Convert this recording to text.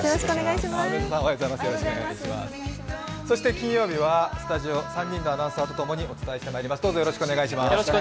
金曜日はスタジオ３人のアナウンサーとともにお伝えしてまいります。